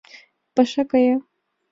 Паша кая...